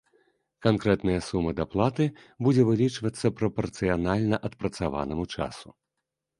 Канкрэтная сума даплаты будзе вылічвацца прапарцыянальна адпрацаванаму часу.